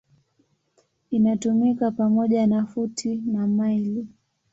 Inatumika pamoja na futi na maili.